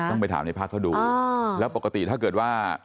ไปถามในภาคเขาดูแล้วปกติถ้าเกิดว่า